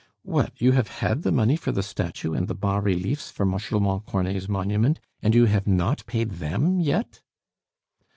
"What, you have had the money for the statue and the bas reliefs for Marshal Montcornet's monument, and you have not paid them yet?"